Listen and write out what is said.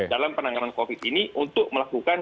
dalam penanganan covid ini untuk melakukan